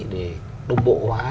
để đồng bộ hóa